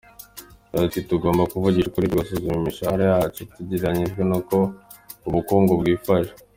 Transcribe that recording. Yagize ati ”Tugomba kuvugisha ukuri, tugasuzuma imishahara yacu tugereranyije nuko ubukungu bwifashe.